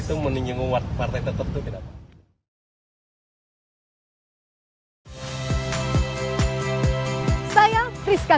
itu menyinggung partai tertentu kenapa